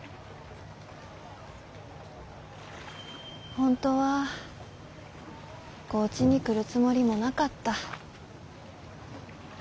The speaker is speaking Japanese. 本当は高知に来るつもりもなかった。